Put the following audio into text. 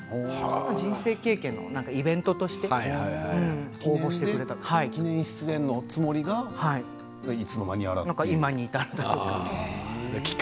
人生経験のイベントとして記念出演のつもりが今に至るというか。